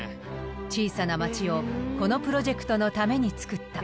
小さな町をこのプロジェクトのために作った。